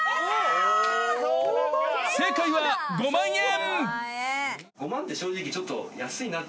［正解は５万円］